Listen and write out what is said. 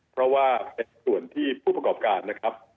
เพราะว่าเป็นส่วนที่ผู้ประกอบการนะครับ